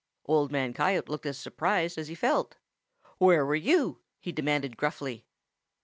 Old Man Coyote looked as surprised as he felt. "Where were you?" he demanded gruffly.